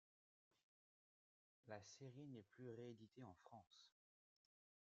La série n'est plus rééditée en France.